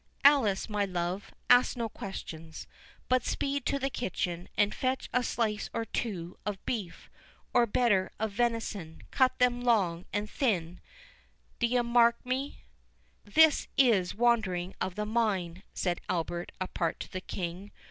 — Alice, my love, ask no questions, but speed to the kitchen, and fetch a slice or two of beef, or better of venison; cut them long, and thin, d'ye mark me"— "This is wandering of the mind," said Albert apart to the King.